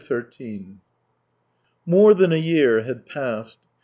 XIII More than a year had passed.